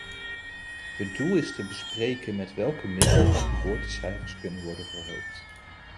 Het doel is te bespreken met welke middelen de geboortecijfers kunnen worden verhoogd.